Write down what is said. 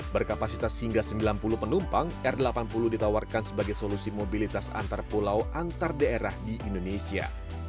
berkapasitas hingga sembilan puluh penumpang r delapan puluh ditawarkan sebagai solusi mobilitas antar pulau antar daerah di indonesia